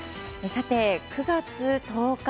さて、９月１０日。